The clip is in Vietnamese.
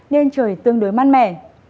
nên trời tương đối mát mẻ